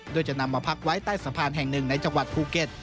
โดยจะนำมาพักไว้ใต้สะพานแห่งหนึ่งในจังหวัดภูเก็ต